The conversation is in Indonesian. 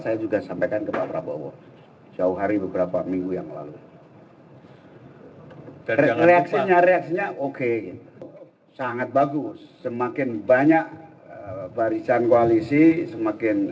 itu yang paling penting